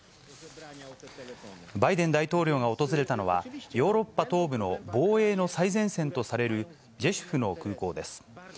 バイデン大統領が訪れたのは、ヨーロッパ東部の防衛の最前線とされるジェシュフの空港です。